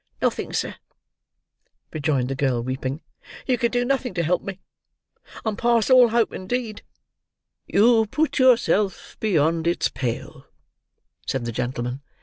"Nothing, sir," rejoined the girl, weeping. "You can do nothing to help me. I am past all hope, indeed." "You put yourself beyond its pale," said the gentleman.